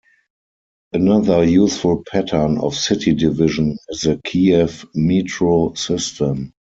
Another useful pattern of city division is the Kiev Metro system.